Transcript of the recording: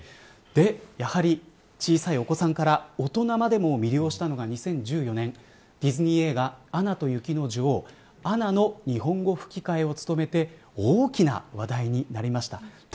やはり、小さいお子さんから大人までも魅了したのが２０１４年ディズニー映画アナと雪の女王アナの日本語で吹き替えを務めて大きな話題になりました。